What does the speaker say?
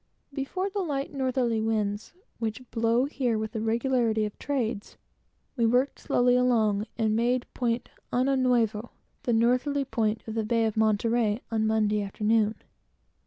Before the light northerly winds, which blow here with the regularity of trades, we worked slowly along, and made Point Año Nuevo, the northerly point of the Bay of Monterey, on Monday afternoon.